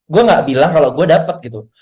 gue gak bilang kalau gue dapet gitu